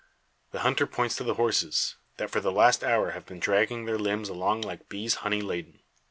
The hunter points to the horses, that for the last hour have been dragging their limbs along like bees honey laden.